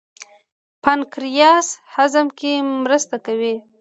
پانکریاس هضم کې مرسته کوي.